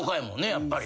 やっぱり。